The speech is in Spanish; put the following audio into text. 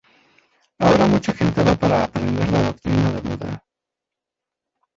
Ahora mucha gente va para aprender la doctrina de Buda.